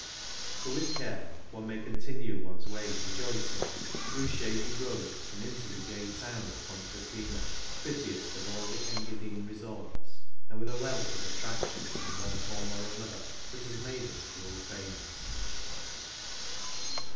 But* with care one may continue one's way rejoicing, through shady groves and into the gay town of Pontresina, prettiest of all the Engadine resorts, and with a wealth of attractions in one form or another that has made it world famous.